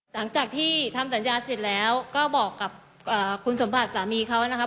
หลังจากที่ทำสัญญาเสร็จแล้วก็บอกกับคุณสมบัติสามีเขานะครับ